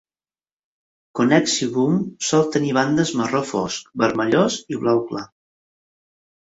Connexivum sol tenir bandes marró fosc, vermellós i blau clar.